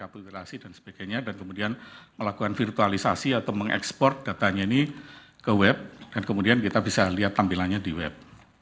aplikasi dan sebagainya dan kemudian melakukan virtualisasi atau mengekspor datanya ini ke web dan kemudian kita bisa lihat tampilannya di web